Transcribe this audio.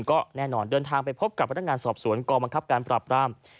ก็แน่นอนเดินทางไปพบกับพนักงานสอบสวนกองบังคับการปราบราม